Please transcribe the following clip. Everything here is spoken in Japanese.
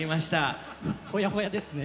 ほやほやですね。